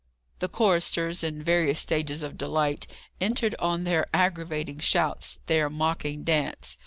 The choristers, in various stages of delight, entered on their aggravating shouts, their mocking dance.